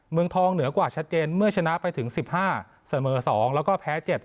เมืองทองเหนือกว่าชัดเจนเมื่อชนะไปถึง๑๕เสมอ๒แล้วก็แพ้๗